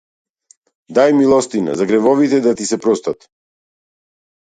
Дај милостина, за гревовите да ти се простат.